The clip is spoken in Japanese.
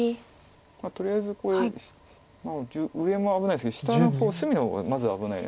とりあえずこれ上も危ないですけど下の方隅の方がまず危ない。